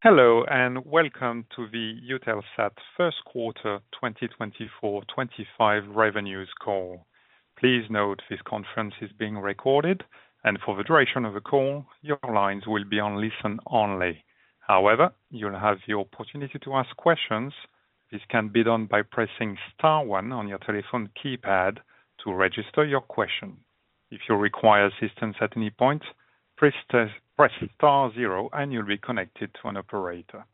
Hello, and welcome to the Eutelsat First Quarter 2024-2025 Revenues Call. Please note this conference is being recorded, and for the duration of the call, your lines will be on listen only. However, you'll have the opportunity to ask questions. This can be done by pressing star one on your telephone keypad to register your question. If you require assistance at any point, press star zero, and you'll be connected to an operator.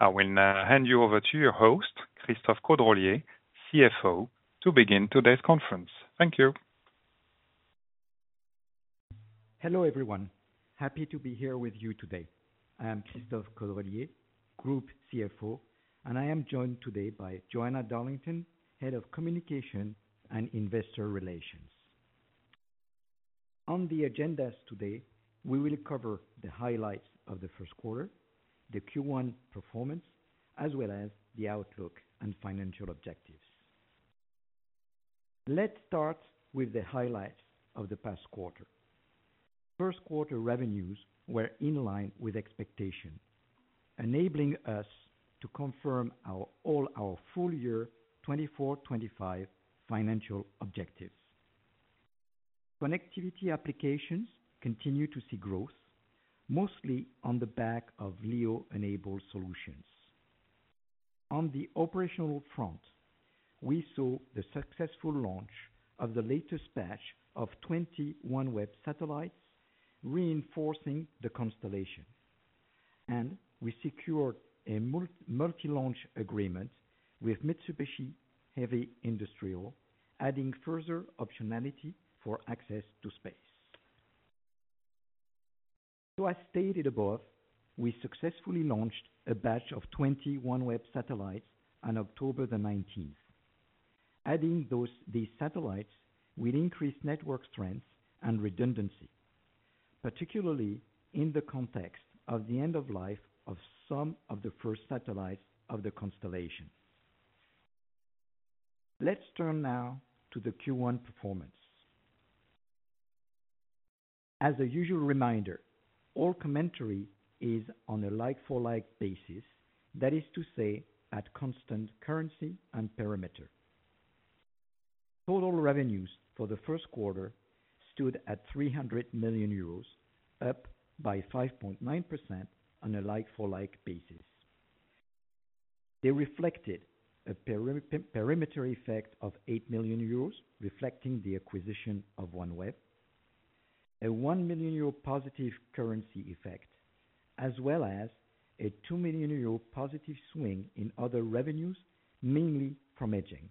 I will now hand you over to your host, Christophe Caudrelier, CFO, to begin today's conference. Thank you. Hello everyone, happy to be here with you today. I am Christophe Caudrelier, Group CFO, and I am joined today by Joanna Darlington, Head of Communication and Investor Relations. On the agenda today, we will cover the highlights of the first quarter, the Q1 performance, as well as the outlook and financial objectives. Let's start with the highlights of the past quarter. First quarter revenues were in line with expectation, enabling us to confirm all our full-year 2024-2025 financial objectives. Connectivity applications continue to see growth, mostly on the back of LEO-enabled solutions. On the operational front, we saw the successful launch of the latest batch of 20 OneWeb satellites, reinforcing the constellation, and we secured a multi-launch agreement with Mitsubishi Heavy Industries, adding further optionality for access to space. As I stated above, we successfully launched a batch of 20 OneWeb satellites on October the 19th. Adding these satellites will increase network strength and redundancy, particularly in the context of the end of life of some of the first satellites of the constellation. Let's turn now to the Q1 performance. As a usual reminder, all commentary is on a like-for-like basis, that is to say, at constant currency and perimeter. Total revenues for the first quarter stood at 300 million euros, up by 5.9% on a like-for-like basis. They reflected a perimeter effect of 8 million euros, reflecting the acquisition of OneWeb, a 1 million euro positive currency effect, as well as a 2 million euro positive swing in other revenues, mainly from hedging.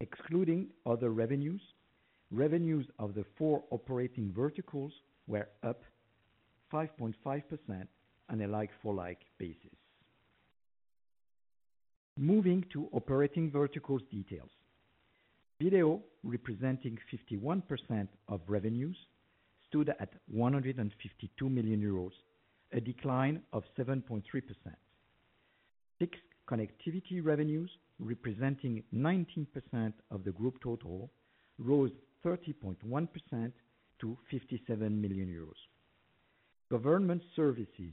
Excluding other revenues, revenues of the four operating verticals were up 5.5% on a like-for-like basis. Moving to operating verticals details, video representing 51% of revenues stood at 152 million euros, a decline of 7.3%. Fixed connectivity revenues, representing 19% of the group total, rose 30.1% to 57 million euros. Government services,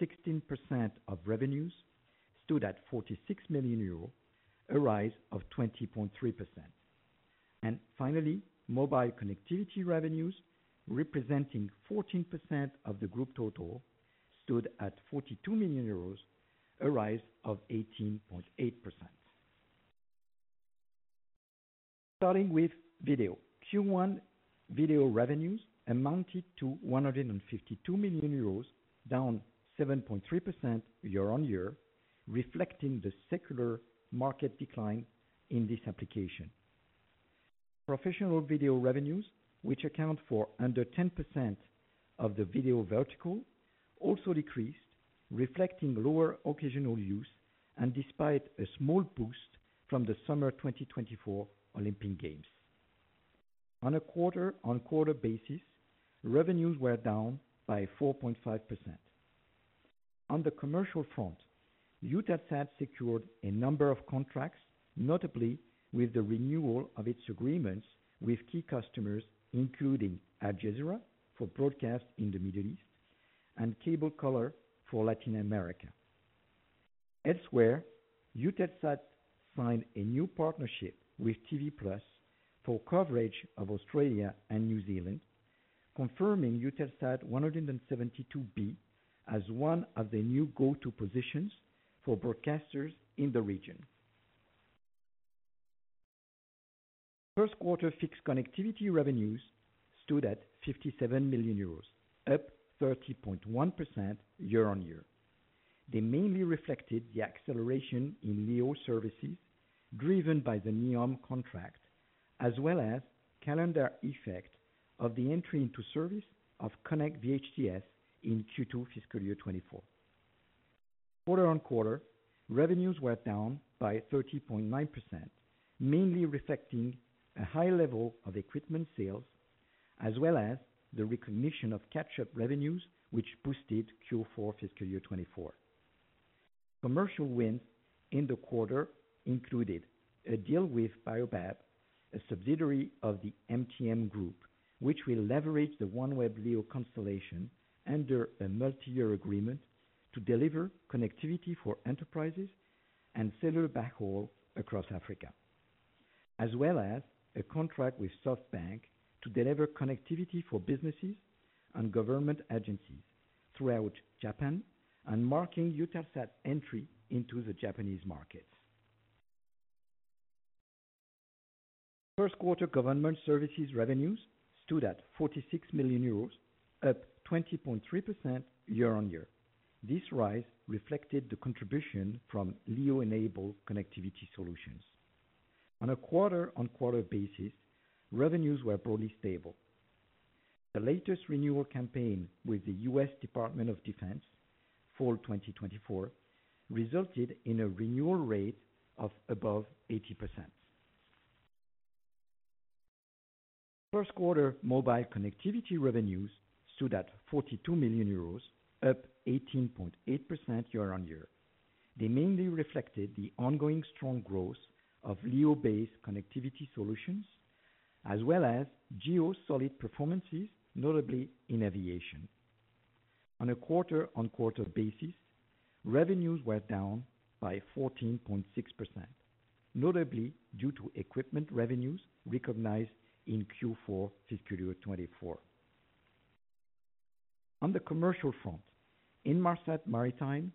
16% of revenues, stood at 46 million euro, a rise of 20.3%. And finally, mobile connectivity revenues, representing 14% of the group total, stood at 42 million euros, a rise of 18.8%. Starting with video, Q1 video revenues amounted to 152 million euros, down 7.3% year on year, reflecting the secular market decline in this application. Professional video revenues, which account for under 10% of the video vertical, also decreased, reflecting lower occasional use, and despite a small boost from the Summer 2024 Olympic Games. On a quarter-on-quarter basis, revenues were down by 4.5%. On the commercial front, Eutelsat secured a number of contracts, notably with the renewal of its agreements with key customers, including Al Jazeera for broadcast in the Middle East and Cable Color for Latin America. Elsewhere, Eutelsat signed a new partnership with TV Plus for coverage of Australia and New Zealand, confirming Eutelsat 172B as one of the new go-to positions for broadcasters in the region. First quarter fixed connectivity revenues stood at 57 million euros, up 30.1% year on year. They mainly reflected the acceleration in LEO services driven by the NEOM contract, as well as the calendar effect of the entry into service of Konnect VHTS in Q2 fiscal year 2024. Quarter on quarter, revenues were down by 30.9%, mainly reflecting a high level of equipment sales, as well as the recognition of catch-up revenues, which boosted Q4 fiscal year 2024. Commercial wins in the quarter included a deal with Bayobab, a subsidiary of the MTN Group, which will leverage the OneWeb LEO constellation under a multi-year agreement to deliver connectivity for enterprises and cellular backhaul across Africa, as well as a contract with SoftBank to deliver connectivity for businesses and government agencies throughout Japan, and marking Eutelsat's entry into the Japanese markets. First quarter government services revenues stood at 46 million euros, up 20.3% year on year. This rise reflected the contribution from LEO-enabled connectivity solutions. On a quarter-on-quarter basis, revenues were broadly stable. The latest renewal campaign with the U.S. Department of Defense for 2024 resulted in a renewal rate of above 80%. First quarter mobile connectivity revenues stood at 42 million euros, up 18.8% year on year. They mainly reflected the ongoing strong growth of LEO-based connectivity solutions, as well as GEO solid performances, notably in aviation. On a quarter-on-quarter basis, revenues were down by 14.6%, notably due to equipment revenues recognized in Q4 fiscal year 2024. On the commercial front, Inmarsat Maritime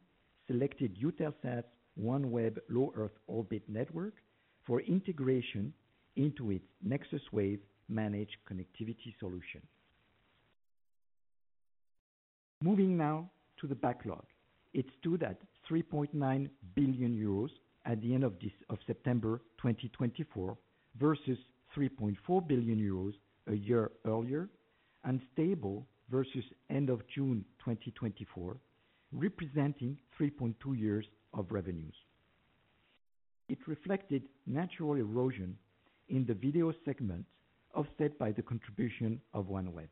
selected Eutelsat's OneWeb Low Earth Orbit network for integration into its NexusWave managed connectivity solution. Moving now to the backlog, it stood at 3.9 billion euros at the end of September 2024 versus 3.4 billion euros a year earlier, and stable versus end of June 2024, representing 3.2 years of revenues. It reflected natural erosion in the video segment, offset by the contribution of OneWeb.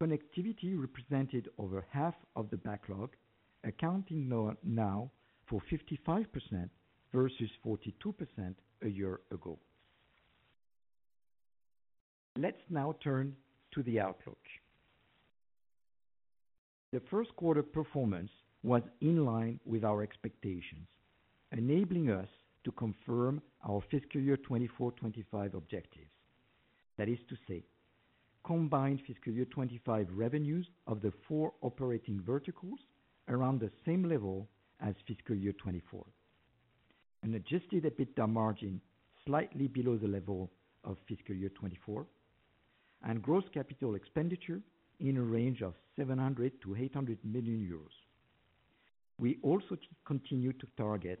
Connectivity represented over half of the backlog, accounting now for 55% versus 42% a year ago. Let's now turn to the outlook. The first quarter performance was in line with our expectations, enabling us to confirm our fiscal year 2024-2025 objectives. That is to say, combined fiscal year 2025 revenues of the four operating verticals are around the same level as fiscal year 2024, and Adjusted EBITDA margin slightly below the level of fiscal year 2024, and gross capital expenditure in a range of 700 million-800 million euros. We also continue to target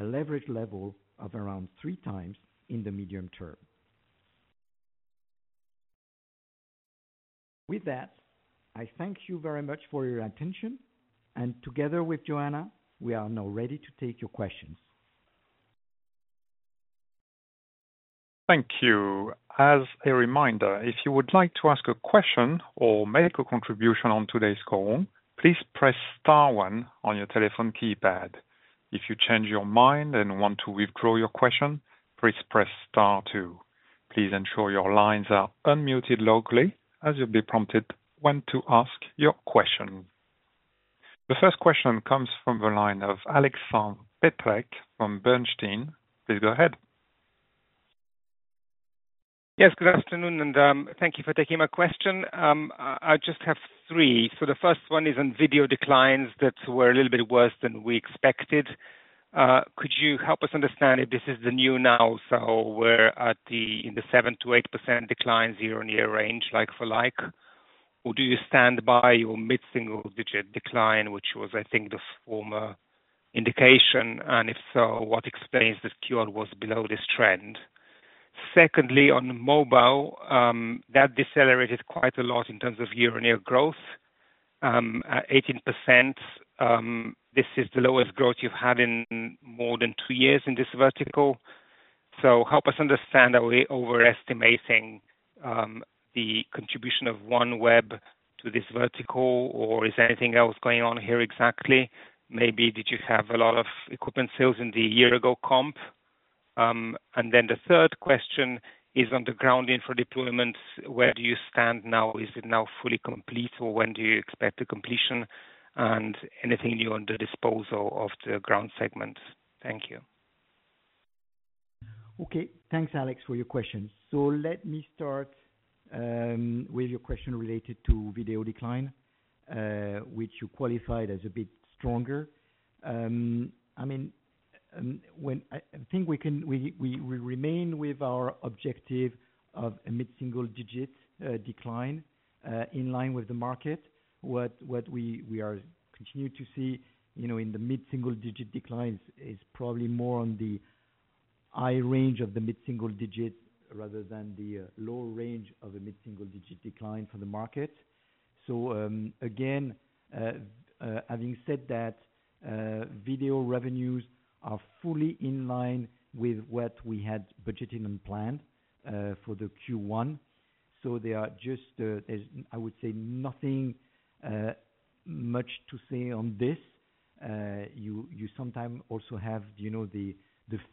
a leverage level of around three times in the medium term. With that, I thank you very much for your attention, and together with Joanna, we are now ready to take your questions. Thank you. As a reminder, if you would like to ask a question or make a contribution on today's call, please press star one on your telephone keypad. If you change your mind and want to withdraw your question, please press star two. Please ensure your lines are unmuted locally as you'll be prompted when to ask your question. The first question comes from the line of Alexander Peterc from Bernstein. Please go ahead. Yes, good afternoon, and thank you for taking my question. I just have three. So the first one is on video declines that were a little bit worse than we expected. Could you help us understand if this is the new now? So we're in the 7%-8% decline year on year range, like-for-like, or do you stand by your mid-single digit decline, which was, I think, the former indication? And if so, what explains this Q1 was below this trend? Secondly, on mobile, that decelerated quite a lot in terms of year on year growth, 18%. This is the lowest growth you've had in more than two years in this vertical. So help us understand, are we overestimating the contribution of OneWeb to this vertical, or is anything else going on here exactly? Maybe did you have a lot of equipment sales in the year-ago comp? And then the third question is on the ground infra deployments. Where do you stand now? Is it now fully complete, or when do you expect the completion, and anything new on the disposal of the ground segments? Thank you. Okay, thanks, Alex, for your question. So let me start with your question related to video decline, which you qualified as a bit stronger. I mean, I think we remain with our objective of a mid-single digit decline in line with the market. What we are continuing to see in the mid-single digit declines is probably more on the high range of the mid-single digit rather than the low range of a mid-single digit decline for the market. So again, having said that, video revenues are fully in line with what we had budgeted and planned for the Q1. So there are just, I would say, nothing much to say on this. You sometimes also have the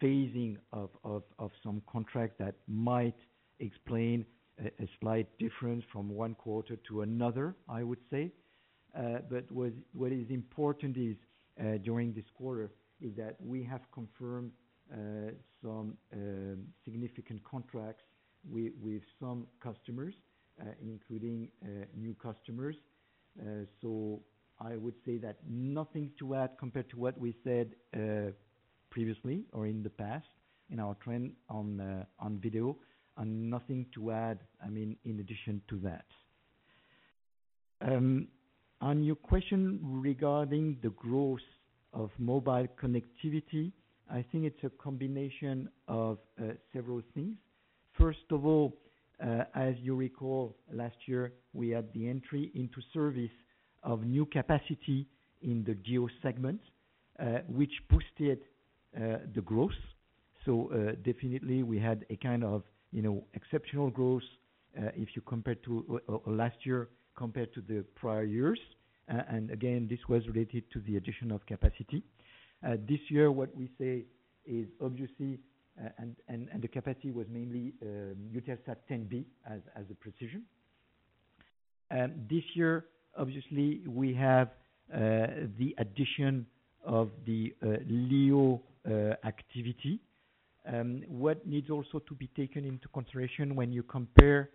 phasing of some contracts that might explain a slight difference from one quarter to another, I would say. But what is important during this quarter is that we have confirmed some significant contracts with some customers, including new customers. So I would say that nothing to add compared to what we said previously or in the past in our trend on video, and nothing to add, I mean, in addition to that. On your question regarding the growth of mobile connectivity, I think it's a combination of several things. First of all, as you recall, last year, we had the entry into service of new capacity in the GEO segment, which boosted the growth. So definitely, we had a kind of exceptional growth if you compare to last year compared to the prior years. And again, this was related to the addition of capacity. This year, what we say is obviously, and the capacity was mainly Eutelsat 10B to be precise. This year, obviously, we have the addition of the LEO activity. What needs also to be taken into consideration when you compare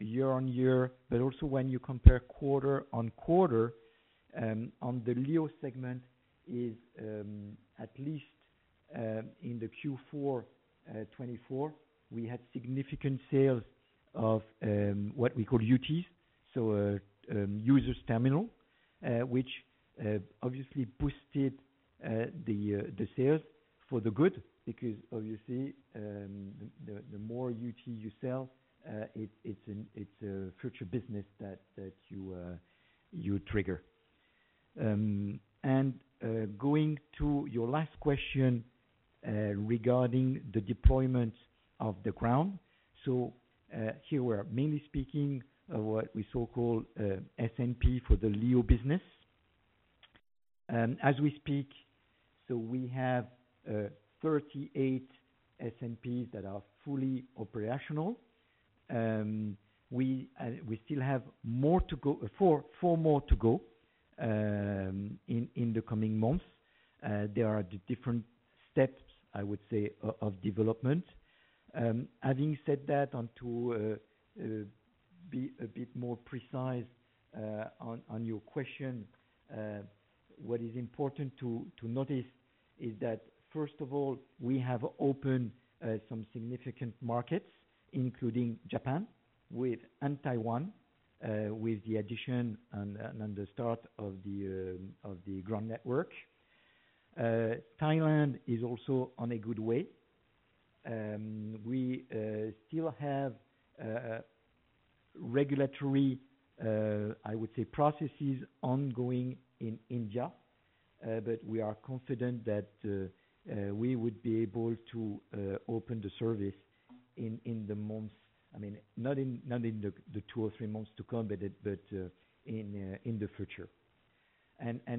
year on year, but also when you compare quarter on quarter, on the LEO segment is at least in the Q4 2024, we had significant sales of what we call UTs, so user terminal, which obviously boosted the sales for the good, because obviously, the more UT you sell, it's a future business that you trigger. Going to your last question regarding the deployment of the ground, so here we are mainly speaking of what we so-called SNP for the LEO business. As we speak, so we have 38 SNPs that are fully operational. We still have more to go, four more to go in the coming months. There are different steps, I would say, of development. Having said that, to be a bit more precise on your question, what is important to notice is that, first of all, we have opened some significant markets, including Japan and Taiwan, with the addition and the start of the ground network. Thailand is also on a good way. We still have regulatory, I would say, processes ongoing in India, but we are confident that we would be able to open the service in the months, I mean, not in the two or three months to come, but in the future.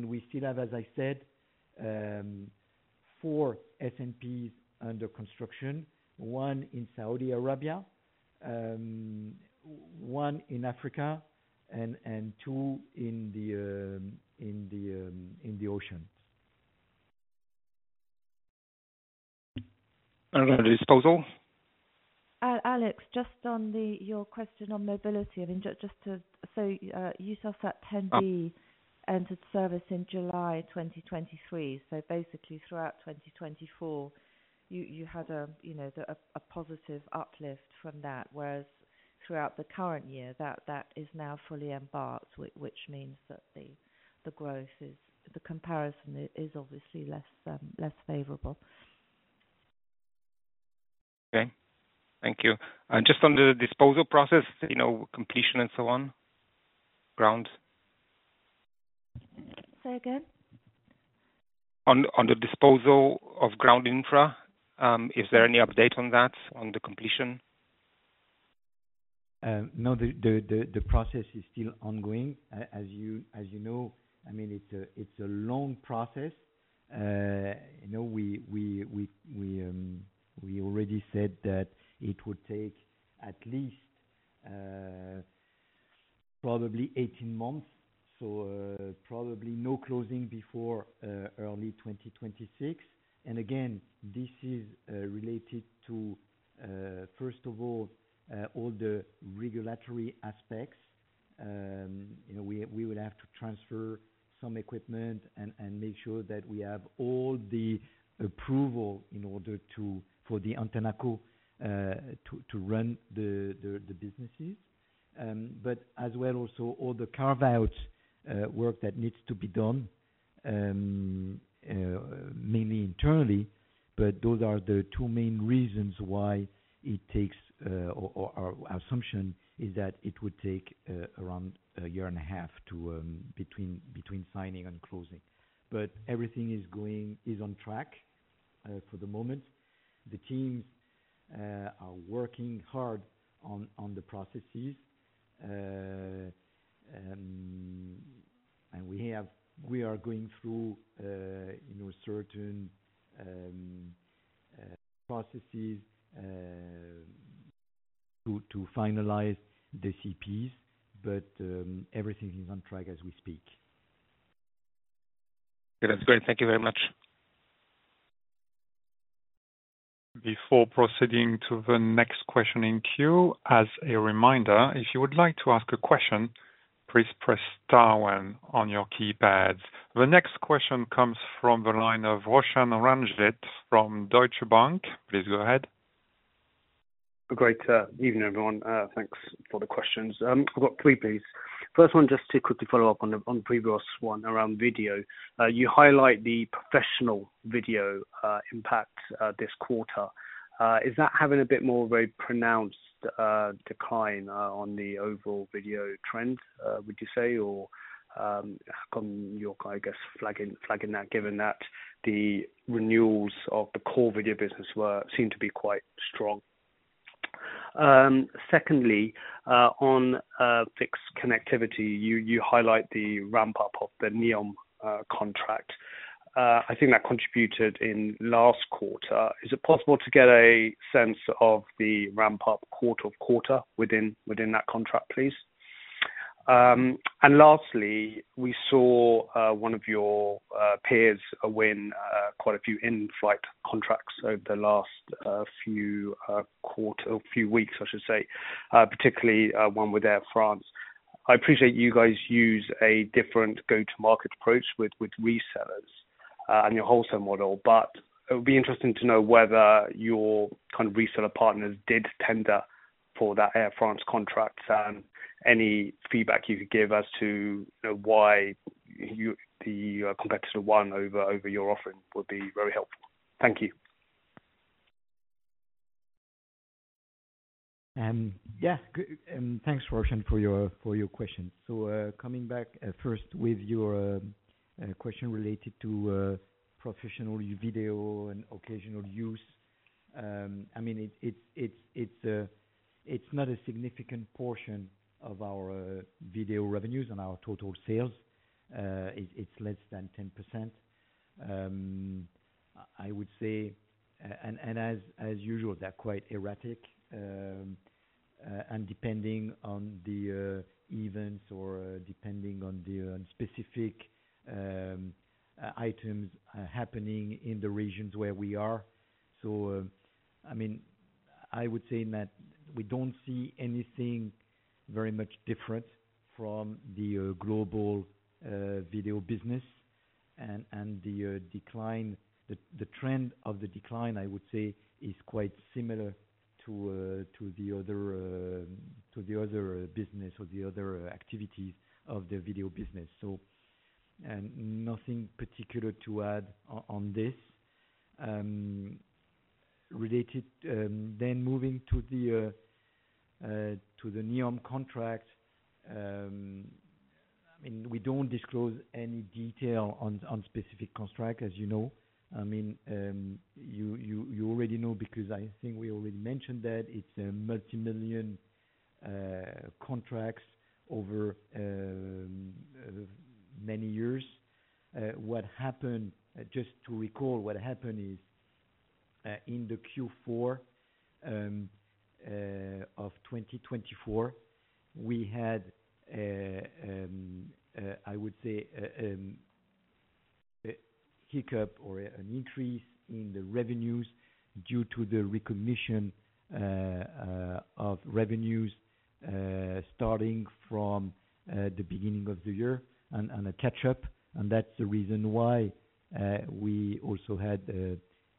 We still have, as I said, four SNPs under construction, one in Saudi Arabia, one in Africa, and two in the ocean. On the disposal. Alex, just on your question on mobility, I mean, just to say Eutelsat 10B entered service in July 2023. So basically, throughout 2024, you had a positive uplift from that, whereas throughout the current year, that is now fully embarked, which means that the growth is, the comparison is obviously less favorable. Okay. Thank you. And just on the disposal process, completion and so on, ground? Say again? On the disposal of ground infra, is there any update on that, on the completion? No, the process is still ongoing. As you know, I mean, it's a long process. We already said that it would take at least probably 18 months, so probably no closing before early 2026. And again, this is related to, first of all, all the regulatory aspects. We will have to transfer some equipment and make sure that we have all the approval in order for the AntennaCo to run the businesses. But as well, also all the carve-out work that needs to be done, mainly internally, but those are the two main reasons why it takes, or our assumption is that it would take around a year and a half between signing and closing. But everything is on track for the moment. The teams are working hard on the processes. And we are going through certain processes to finalize the CPs, but everything is on track as we speak. That's great. Thank you very much. Before proceeding to the next question in queue, as a reminder, if you would like to ask a question, please press star one on your keypads. The next question comes from the line of Roshan Ranjit from Deutsche Bank. Please go ahead. Good evening, everyone. Thanks for the questions. I've got three, please. First one, just to quickly follow up on the previous one around video. You highlight the professional video impact this quarter. Is that having a bit more of a pronounced decline on the overall video trend, would you say, or can you, I guess, weigh in on that, given that the renewals of the core video business seem to be quite strong? Secondly, on fixed connectivity, you highlight the ramp-up of the NEOM contract. I think that contributed in last quarter. Is it possible to get a sense of the ramp-up quarter to quarter within that contract, please? And lastly, we saw one of your peers win quite a few in-flight contracts over the last few quarters, a few weeks, I should say, particularly one with Air France. I appreciate you guys use a different go-to-market approach with resellers and your wholesale model, but it would be interesting to know whether your kind of reseller partners did tender for that Air France contract and any feedback you could give as to why the competitor won over your offering would be very helpful. Thank you. Yeah, thanks, Roshan, for your question. So coming back first with your question related to professional video and occasional use, I mean, it's not a significant portion of our video revenues and our total sales. It's less than 10%, I would say. And as usual, they're quite erratic. And depending on the events or depending on the specific items happening in the regions where we are. So I mean, I would say that we don't see anything very much different from the global video business. And the decline, the trend of the decline, I would say, is quite similar to the other business or the other activities of the video business. So nothing particular to add on this. Related, then moving to the NEOM contract, I mean, we don't disclose any detail on specific contracts, as you know. I mean, you already know because I think we already mentioned that it's a multimillion contracts over many years. What happened, just to recall what happened, is in the Q4 of 2024, we had, I would say, a hiccup or an increase in the revenues due to the recognition of revenues starting from the beginning of the year and a catch-up, and that's the reason why we also had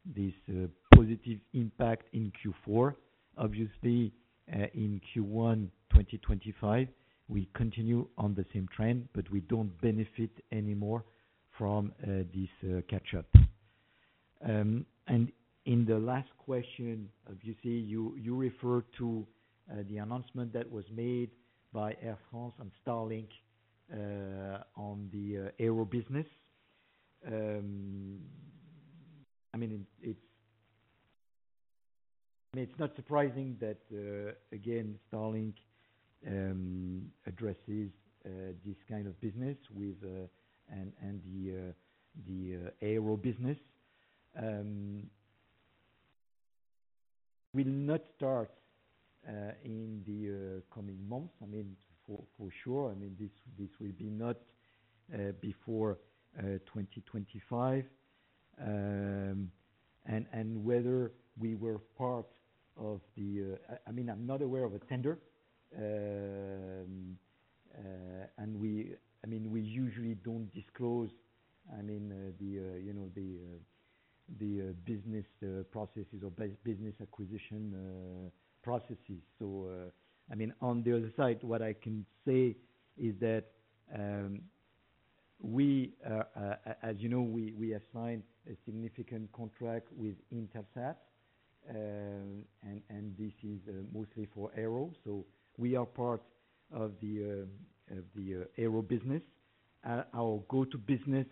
this positive impact in Q4. Obviously, in Q1 2025, we continue on the same trend, but we don't benefit anymore from this catch-up, and in the last question, obviously, you referred to the announcement that was made by Air France and Starlink on the aero business. I mean, it's not surprising that, again, Starlink addresses this kind of business and the aero business. Will not start in the coming months, I mean, for sure. I mean, this will be not before 2025, and whether we were part of the, I mean, I'm not aware of a tender, and I mean, we usually don't disclose, I mean, the business processes or business acquisition processes, so I mean, on the other side, what I can say is that, as you know, we signed a significant contract with Intelsat, and this is mostly for aero, so we are part of the aero business. Our go-to business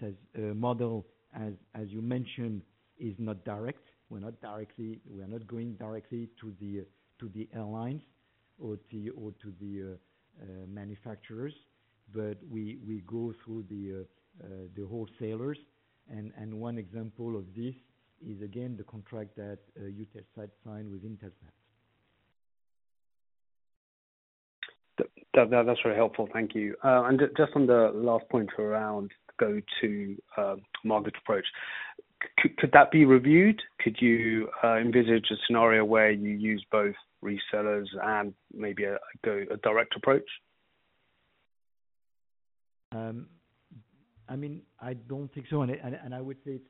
model, as you mentioned, is not direct. We're not going directly to the airlines or to the manufacturers, but we go through the wholesalers, and one example of this is, again, the contract that Eutelsat signed with Intelsat. That's very helpful. Thank you. And just on the last point around go-to-market approach, could that be reviewed? Could you envisage a scenario where you use both resellers and maybe a direct approach? I mean, I don't think so. And I would say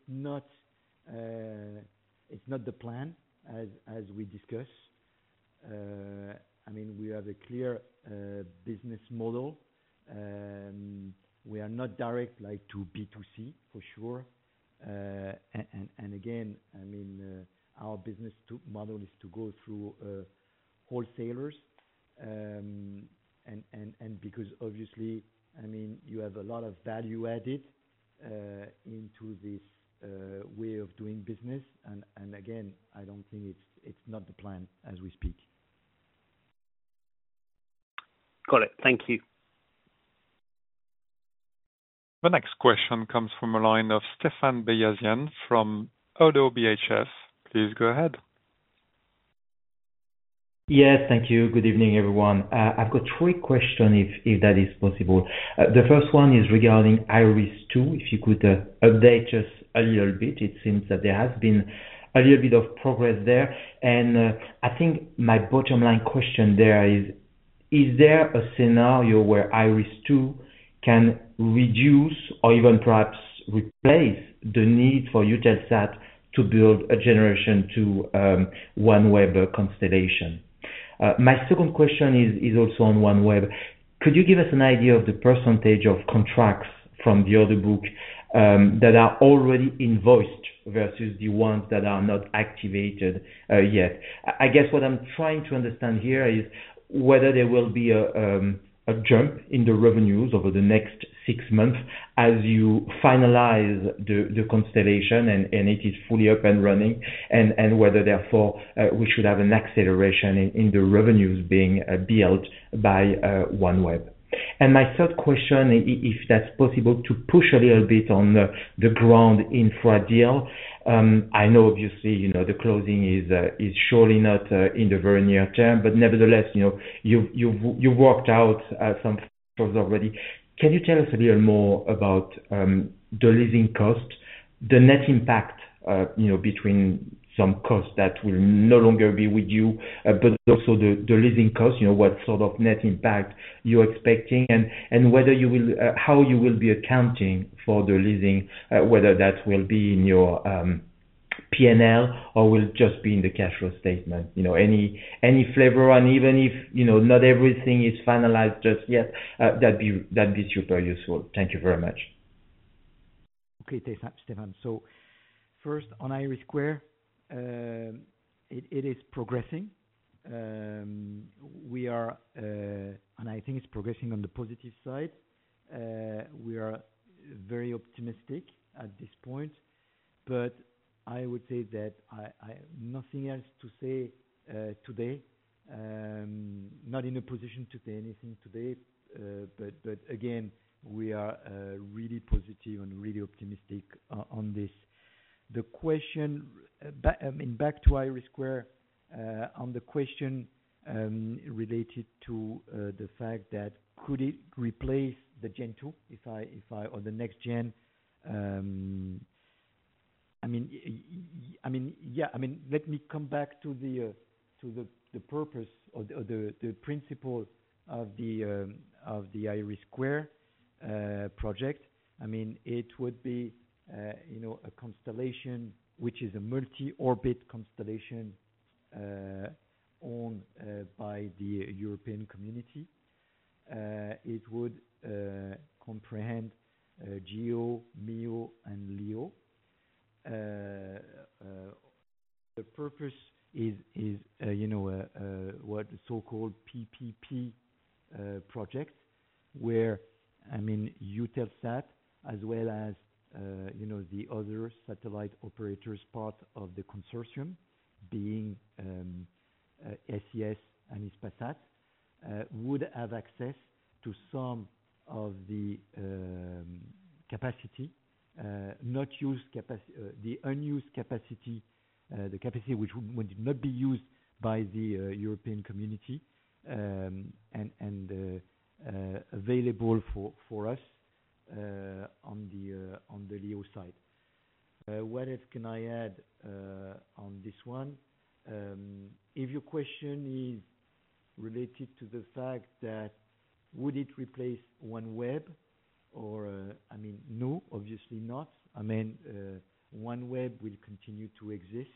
it's not the plan as we discussed. I mean, we have a clear business model. We are not direct to B2C, for sure. And again, I mean, our business model is to go through wholesalers. And because obviously, I mean, you have a lot of value added into this way of doing business. And again, I don't think it's not the plan as we speak. Got it. Thank you. The next question comes from a line of Stephane Beyazian from ODDO BHF. Please go ahead. Yes, thank you. Good evening, everyone. I've got three questions, if that is possible. The first one is regarding IRIS². If you could update us a little bit. It seems that there has been a little bit of progress there, and I think my bottom line question there is, is there a scenario where IRIS² can reduce or even perhaps replace the need for Eutelsat to build a Generation 2 OneWeb constellation? My second question is also on OneWeb. Could you give us an idea of the percentage of contracts from the order book that are already invoiced versus the ones that are not activated yet? I guess what I'm trying to understand here is whether there will be a jump in the revenues over the next six months as you finalize the constellation and it is fully up and running, and whether, therefore, we should have an acceleration in the revenues being built by OneWeb. My third question, if that's possible, to push a little bit on the ground infra deal. I know, obviously, the closing is surely not in the very near term, but nevertheless, you've worked out some things already. Can you tell us a little more about the leasing cost, the net impact between some costs that will no longer be with you, but also the leasing cost, what sort of net impact you're expecting, and how you will be accounting for the leasing, whether that will be in your P&L or will just be in the cash flow statement? Any flavor, and even if not everything is finalized just yet, that'd be super useful. Thank you very much. Okay, Stephane. So first, on IRIS², it is progressing, and I think it's progressing on the positive side. We are very optimistic at this point, but I would say that I have nothing else to say today, not in a position to say anything today, but again, we are really positive and really optimistic on this. The question, I mean, back to IRIS², on the question related to the fact that could it replace the Gen-2 if I or the next gen? I mean, yeah, I mean, let me come back to the purpose or the principle of the IRIS² project. I mean, it would be a constellation which is a multi-orbit constellation owned by the European community. It would comprehend GEO, MEO, and LEO. The purpose is what the so-called PPP project, where, I mean, Eutelsat, as well as the other satellite operators part of the consortium, being SES and Hispasat, would have access to some of the capacity, not use the unused capacity, the capacity which would not be used by the European community and available for us on the LEO side. What else can I add on this one? If your question is related to the fact that would it replace OneWeb or, I mean, no, obviously not. I mean, OneWeb will continue to exist.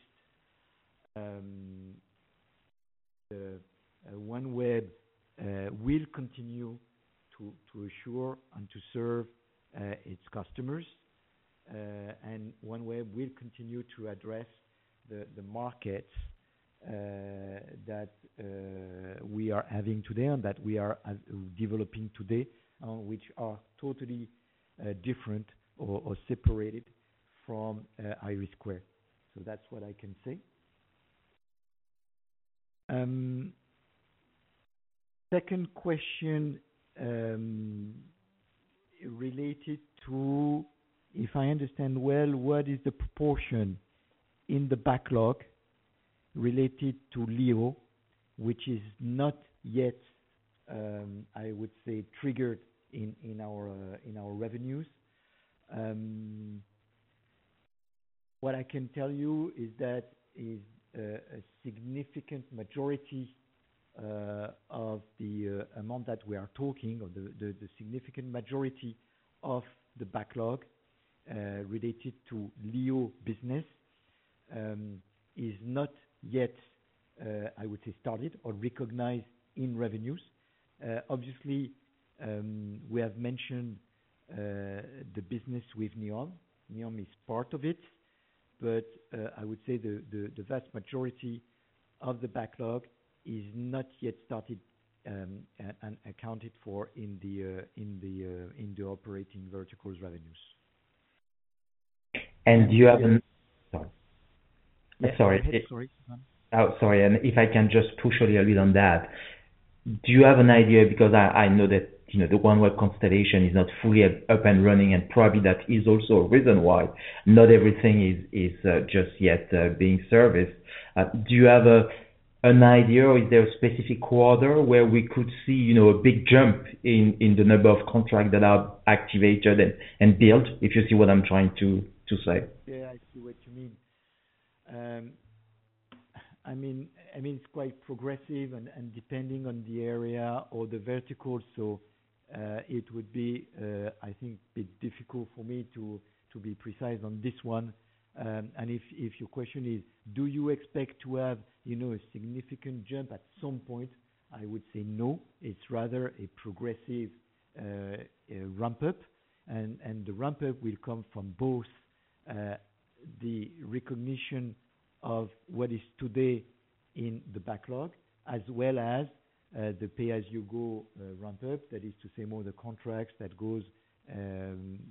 OneWeb will continue to assure and to serve its customers. And OneWeb will continue to address the markets that we are having today and that we are developing today, which are totally different or separated from IRIS². So that's what I can say. Second question related to, if I understand well, what is the proportion in the backlog related to LEO, which is not yet, I would say, triggered in our revenues? What I can tell you is that a significant majority of the amount that we are talking, or the significant majority of the backlog related to LEO business, is not yet, I would say, started or recognized in revenues. Obviously, we have mentioned the business with NEOM. NEOM is part of it, but I would say the vast majority of the backlog is not yet started and accounted for in the operating verticals revenues. Do you have an, sorry. Sorry. Sorry, Stephane. Oh, sorry. And if I can just push a little bit on that. Do you have an idea because I know that the OneWeb constellation is not fully up and running, and probably that is also a reason why not everything is just yet being serviced. Do you have an idea, or is there a specific quarter where we could see a big jump in the number of contracts that are activated and built? If you see what I'm trying to say. Yeah, I see what you mean. I mean, it's quite progressive and depending on the area or the vertical. So it would be, I think, a bit difficult for me to be precise on this one. And if your question is, do you expect to have a significant jump at some point, I would say no. It's rather a progressive ramp-up. And the ramp-up will come from both the recognition of what is today in the backlog, as well as the pay-as-you-go ramp-up, that is to say more the contracts that go and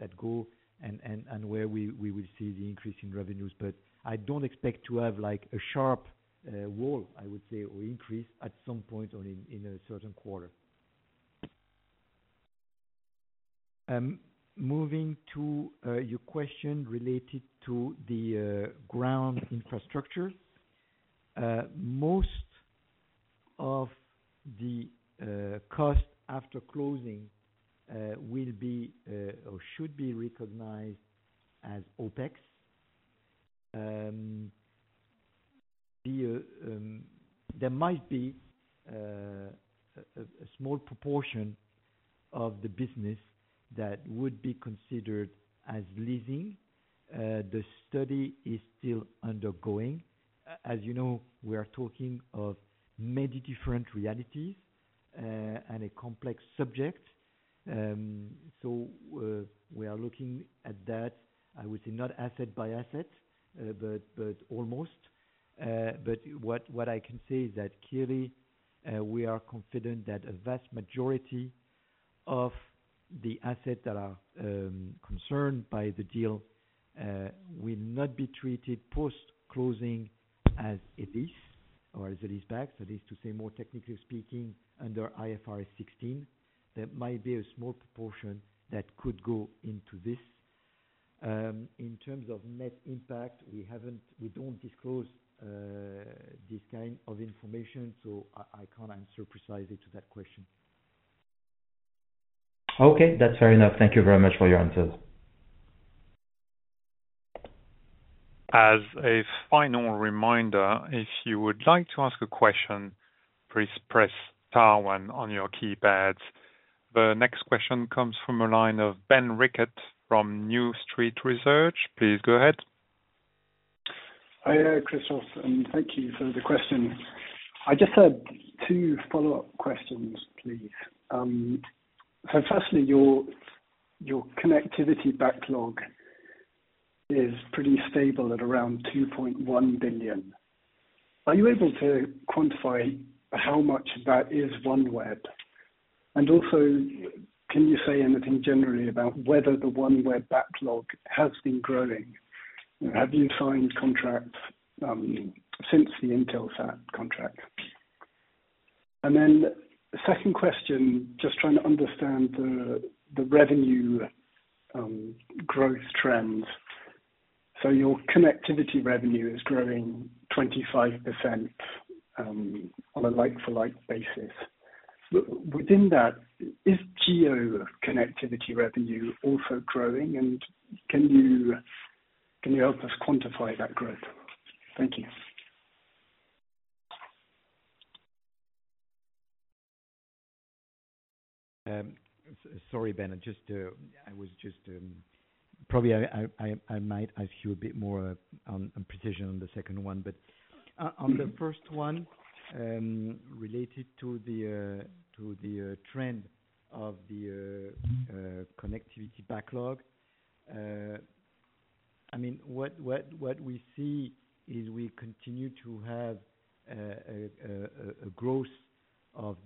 where we will see the increase in revenues. But I don't expect to have a sharp wall, I would say, or increase at some point in a certain quarter. Moving to your question related to the ground infrastructure, most of the cost after closing will be or should be recognized as OpEx. There might be a small proportion of the business that would be considered as leasing. The study is still undergoing. As you know, we are talking of many different realities and a complex subject. So we are looking at that, I would say, not asset by asset, but almost. But what I can say is that clearly, we are confident that a vast majority of the assets that are concerned by the deal will not be treated post-closing as a lease or as a lease-back, that is to say, more technically speaking, under IFRS 16. There might be a small proportion that could go into this. In terms of net impact, we don't disclose this kind of information, so I can't answer precisely to that question. Okay. That's fair enough. Thank you very much for your answers. As a final reminder, if you would like to ask a question, please press star one on your keypad. The next question comes from a line of Ben Rickett from New Street Research. Please go ahead. Hi, Christophe. And thank you for the question. I just had two follow-up questions, please. So firstly, your connectivity backlog is pretty stable at around 2.1 billion. Are you able to quantify how much of that is OneWeb? And also, can you say anything generally about whether the OneWeb backlog has been growing? Have you signed contracts since the Intelsat contract? And then second question, just trying to understand the revenue growth trends. So your connectivity revenue is growing 25% on a like-for-like basis. Within that, is GEO connectivity revenue also growing? And can you help us quantify that growth? Thank you. Sorry, Ben, I might ask you a bit more on precision on the second one. But on the first one, related to the trend of the connectivity backlog, I mean, what we see is we continue to have a growth of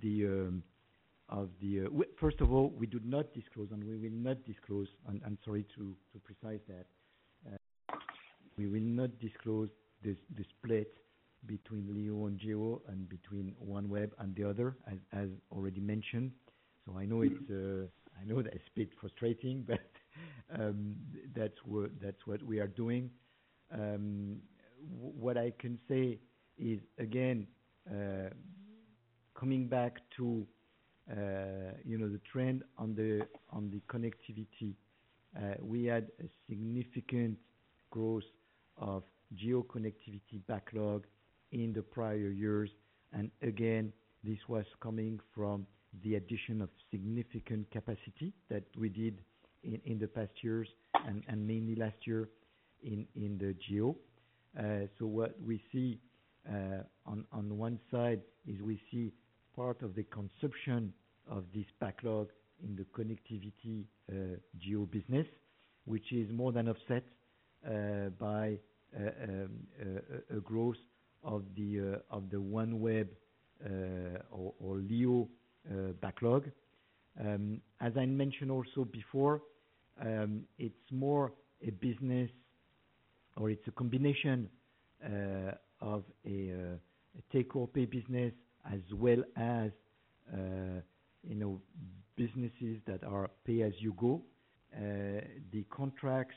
the first of all, we do not disclose, and we will not disclose, and sorry to precise that, we will not disclose the split between LEO and GEO and between OneWeb and the other, as already mentioned. So I know it's a bit frustrating, but that's what we are doing. What I can say is, again, coming back to the trend on the connectivity, we had a significant growth of GEO connectivity backlog in the prior years. And again, this was coming from the addition of significant capacity that we did in the past years, and mainly last year in the GEO. So what we see on one side is we see part of the consumption of this backlog in the connectivity GEO business, which is more than offset by a growth of the OneWeb or LEO backlog. As I mentioned also before, it's more a business, or it's a combination of a take-or-pay business as well as businesses that are pay-as-you-go. The contracts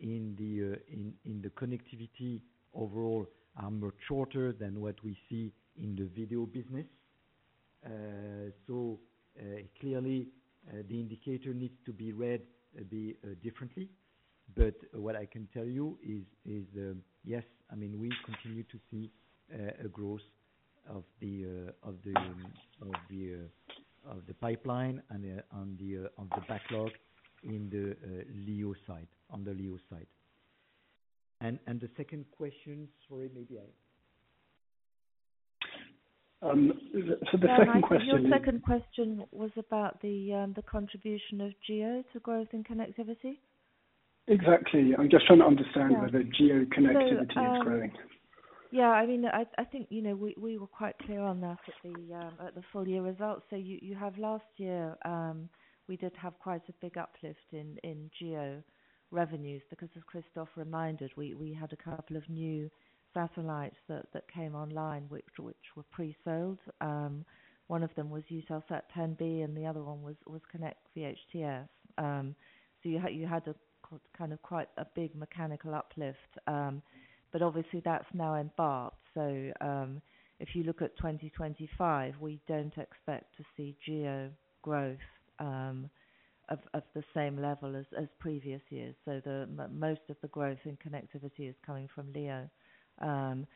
in the connectivity overall are much shorter than what we see in the video business. So clearly, the indicator needs to be read differently. But what I can tell you is, yes, I mean, we continue to see a growth of the pipeline and of the backlog on the LEO side. And the second question, sorry, maybe I. The second question. Your second question was about the contribution of GEO to growth in connectivity? Exactly. I'm just trying to understand whether GEO connectivity is growing. Yeah. I mean, I think we were quite clear on that at the full year results. So you have last year, we did have quite a big uplift in GEO revenues because, as Christophe reminded, we had a couple of new satellites that came online which were pre-sold. One of them was Eutelsat 10B, and the other one was Konnect VHTS. So you had kind of quite a big mechanical uplift. But obviously, that's now baked in. If you look at 2025, we don't expect to see GEO growth of the same level as previous years. Most of the growth in connectivity is coming from LEO. On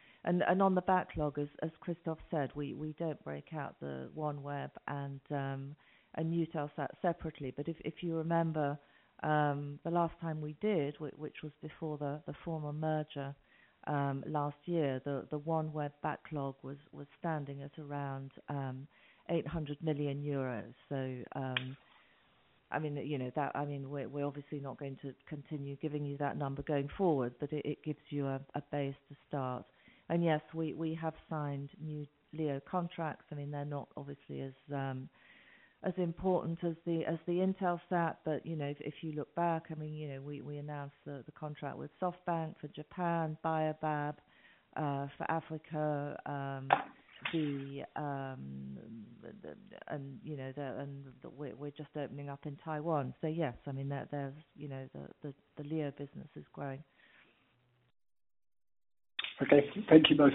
the backlog, as Christophe said, we don't break out the OneWeb and Eutelsat separately. But if you remember the last time we did, which was before the merger last year, the OneWeb backlog was standing at around 800 million euros. So I mean, we're obviously not going to continue giving you that number going forward, but it gives you a base to start. And yes, we have signed new LEO contracts. I mean, they're not obviously as important as the Intelsat, but if you look back, I mean, we announced the contract with SoftBank for Japan, Bayobab for Africa, and we're just opening up in Taiwan. So yes, I mean, the LEO business is growing. Okay. Thank you both.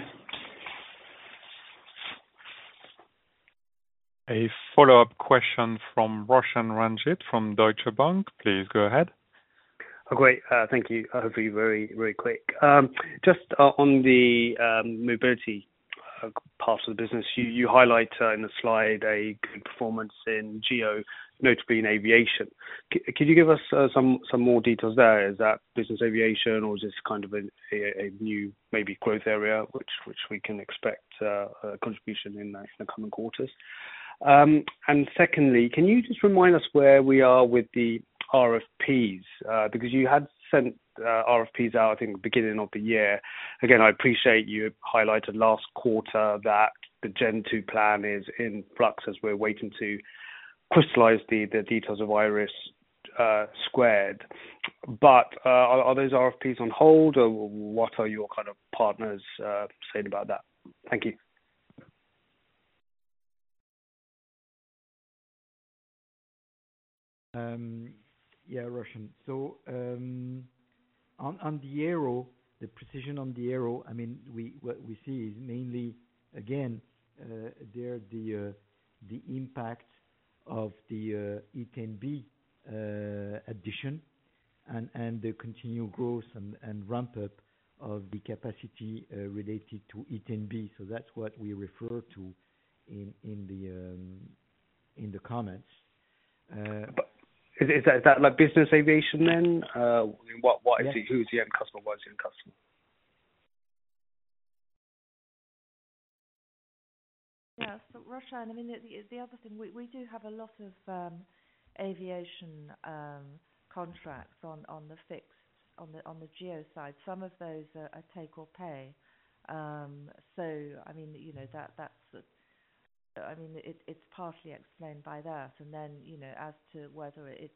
A follow-up question from Roshan Ranjit from Deutsche Bank. Please go ahead. Okay. Thank you. Hopefully, very, very quick. Just on the mobility part of the business, you highlight in the slide a good performance in GEO, notably in aviation. Could you give us some more details there? Is that business aviation, or is this kind of a new maybe growth area which we can expect contribution in the coming quarters? And secondly, can you just remind us where we are with the RFPs? Because you had sent RFPs out, I think, at the beginning of the year. Again, I appreciate you highlighted last quarter that the Gen-2 plan is in flux as we're waiting to crystallize the details of IRIS². But are those RFPs on hold, or what are your kind of partners saying about that? Thank you. Yeah, Roshan. So on the aero, the precision on the aero, I mean, what we see is mainly, again, there, the impact of the E10B addition and the continued growth and ramp-up of the capacity related to E10B. So that's what we refer to in the comments. Is that like business aviation then? Who is the end customer? What is the end customer? Yeah. So, Roshan, I mean, the other thing, we do have a lot of aviation contracts on the fixed on the GEO side. Some of those are take-or-pay. So, I mean, that's, I mean, it's partly explained by that. And then as to whether it's,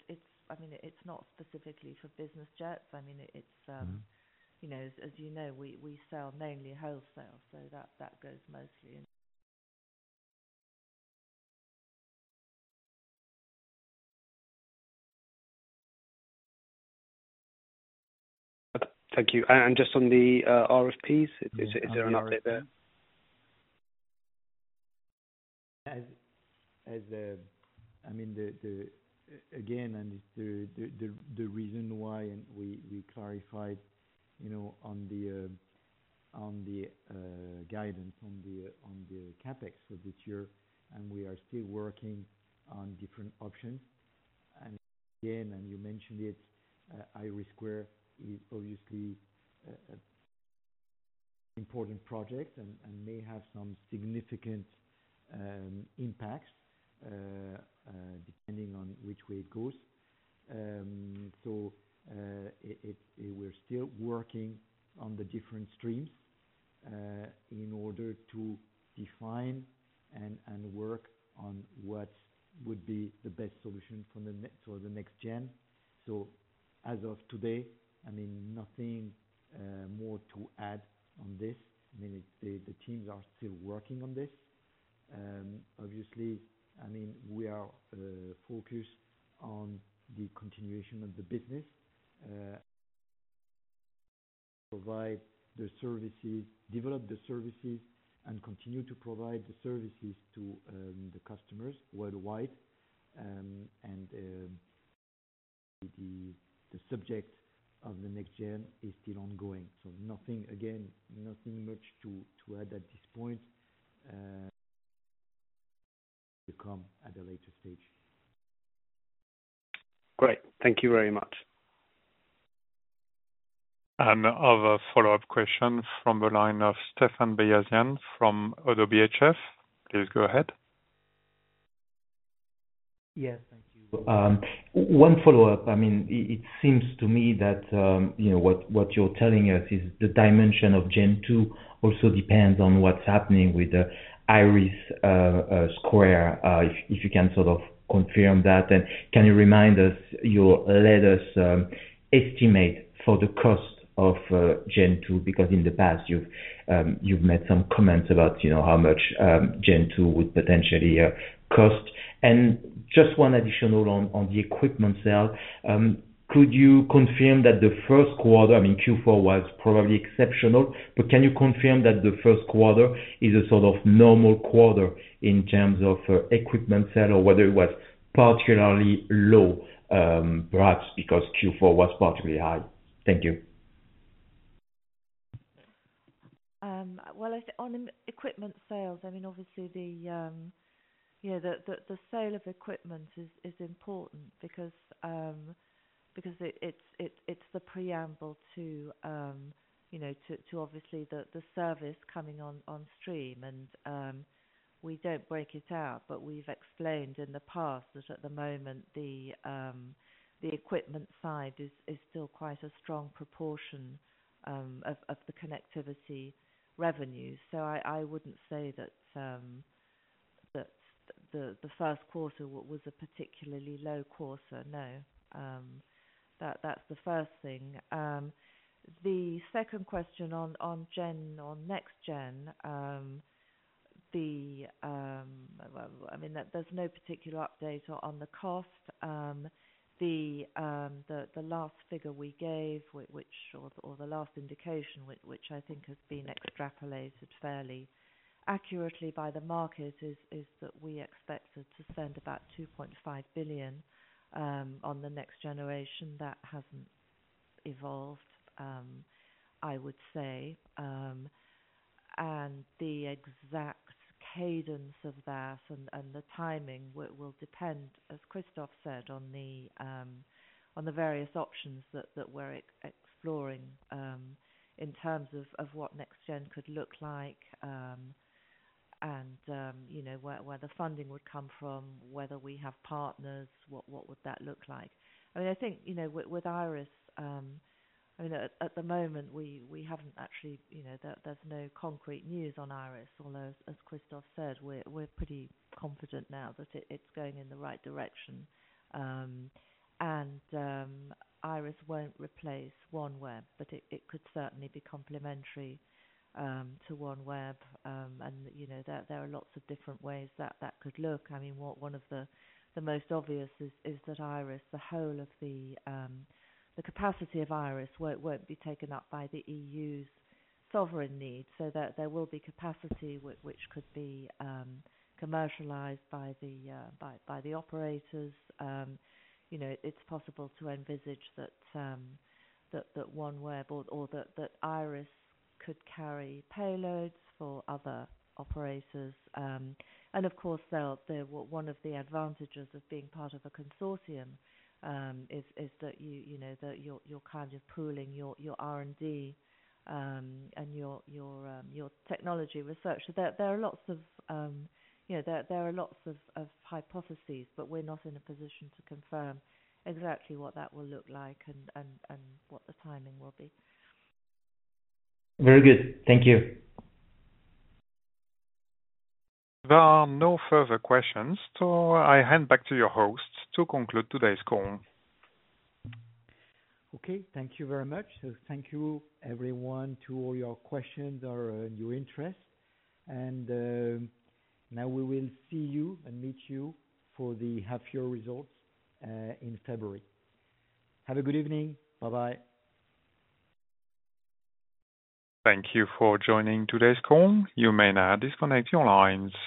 I mean, it's not specifically for business jets. I mean, as you know, we sell mainly wholesale, so that goes mostly. Thank you. And just on the RFPs, is there an update there? I mean, again, and the reason why we clarified on the guidance on the CapEx for this year, and we are still working on different options, and again, and you mentioned it, IRIS² is obviously an important project and may have some significant impacts depending on which way it goes, so we're still working on the different streams in order to define and work on what would be the best solution for the next gen, so as of today, I mean, nothing more to add on this. I mean, the teams are still working on this. Obviously, I mean, we are focused on the continuation of the business, provide the services, develop the services, and continue to provide the services to the customers worldwide, and the subject of the next gen is still ongoing. So nothing, again, nothing much to add at this point to come at a later stage. Great. Thank you very much. Other follow-up question from the line of Stephane Beyazian from ODDO BHF. Please go ahead. Yes. Thank you. One follow-up. I mean, it seems to me that what you're telling us is the dimension of Gen-2 also depends on what's happening with IRIS², if you can sort of confirm that. And can you remind us, let us estimate for the cost of Gen-2? Because in the past, you've made some comments about how much Gen-2 would potentially cost. And just one additional on the equipment sale. Could you confirm that the first quarter, I mean, Q4 was probably exceptional? But can you confirm that the first quarter is a sort of normal quarter in terms of equipment sale or whether it was particularly low, perhaps because Q4 was particularly high? Thank you. On equipment sales, I mean, obviously, the sale of equipment is important because it's the preamble to obviously the service coming on stream. And we don't break it out, but we've explained in the past that at the moment, the equipment side is still quite a strong proportion of the connectivity revenue. So I wouldn't say that the first quarter was a particularly low quarter. No. That's the first thing. The second question on next gen, I mean, there's no particular update on the cost. The last figure we gave, or the last indication, which I think has been extrapolated fairly accurately by the market, is that we expected to spend about 2.5 billion on the next generation. That hasn't evolved, I would say. And the exact cadence of that and the timing will depend, as Christophe said, on the various options that we're exploring in terms of what next gen could look like and where the funding would come from, whether we have partners, what would that look like. I mean, I think with IRIS, I mean, at the moment, we haven't actually. There's no concrete news on IRIS, although, as Christophe said, we're pretty confident now that it's going in the right direction. And IRIS won't replace OneWeb, but it could certainly be complementary to OneWeb. And there are lots of different ways that could look. I mean, one of the most obvious is that IRIS, the whole of the capacity of IRIS won't be taken up by the EU's sovereign need. So there will be capacity which could be commercialized by the operators. It's possible to envisage that OneWeb or that IRIS could carry payloads for other operators. Of course, one of the advantages of being part of a consortium is that you're kind of pooling your R&D and your technology research. There are lots of hypotheses, but we're not in a position to confirm exactly what that will look like and what the timing will be. Very good. Thank you. There are no further questions, so I hand back to your hosts to conclude today's call. Okay. Thank you very much. So thank you, everyone, to all your questions or your interest. And now we will see you and meet you for the half-year results in February. Have a good evening. Bye-bye. Thank you for joining today's call. You may now disconnect your lines.